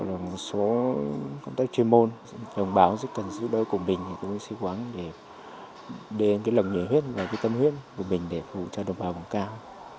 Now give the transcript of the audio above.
một số công tác chuyên môn đồng báo rất cần giúp đỡ của mình thì tôi cũng xin quán để đến cái lòng nhiệt huyết và cái tâm huyết của mình để phụ cho đồng bào bằng cao